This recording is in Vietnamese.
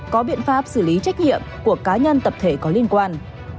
có biện pháp xử lý trách nhiệm của cá nhân tập thể có liên quan